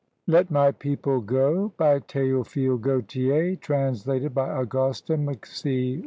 "LET MY PEOPLE GO" BY THEOPHILE GAUTIER; TRANSLATED BY AUGUSTA McC.